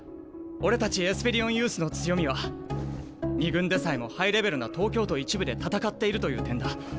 俺たちエスペリオンユースの強みは２軍でさえもハイレベルな東京都１部で戦っているという点だ。